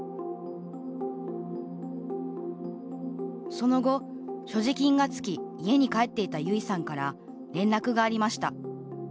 その後、所持金が尽き家に帰っていた、ゆいさんから連絡がありました。